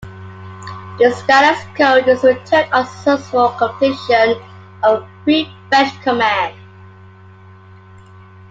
This status code is returned on successful completion of a Pre-fetch Command.